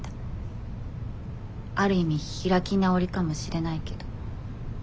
ある意味開き直りかもしれないけど。